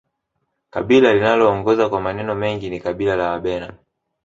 kabila linaloongoza kwa maneno mengi ni kabila la wabena